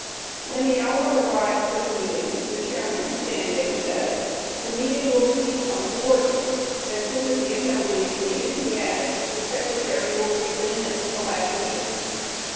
When the hour arrives for the meeting, the chairman standing, says, "The meeting will please come to order:" as soon as the assembly is seated, he adds, "The secretary will read the minutes of the last meeting."